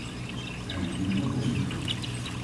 Er moet nu een oplossing komen.